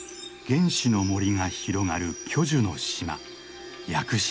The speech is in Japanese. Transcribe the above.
原始の森が広がる巨樹の島屋久島。